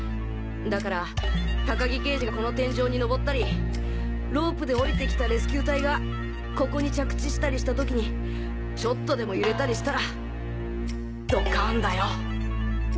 だから高木刑事がこの天井に上ったりロープで下りて来たレスキュー隊がここに着地したりした時にちょっとでも揺れたりしたらドカンだよ！